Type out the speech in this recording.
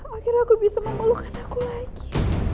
akhirnya aku bisa memelukkan aku lagi